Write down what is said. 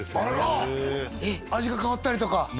あら味が変わったりとか？